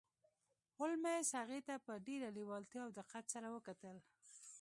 هولمز هغې ته په ډیره لیوالتیا او دقت سره وکتل